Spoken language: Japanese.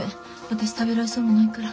私食べられそうもないから。